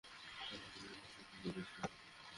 তারপর তো জানিসই কী করেছি আমি।